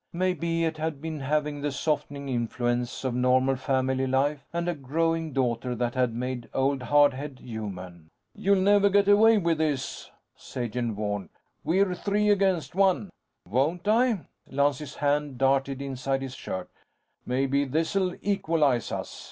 Maybe it'd been having the softening influence of normal family life and a growing daughter that had made old Hard Head human. "You'll never get away with this," Sagen warned. "We're three against one." "Won't I?" Lance's hand darted inside his shirt. "Maybe this'll equalize us."